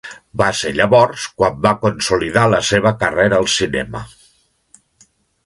Va ser llavors quan va consolidar la seva carrera al cinema.